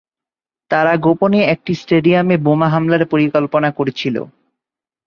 তারা গোপনে একটি স্টেডিয়ামে বোমা হামলার পরিকল্পনা করছিল।